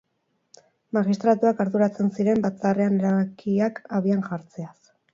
Magistratuak arduratzen ziren Batzarrean erabakiak abian jartzeaz.